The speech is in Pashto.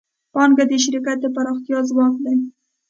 پانګه د شرکت د پراختیا ځواک دی.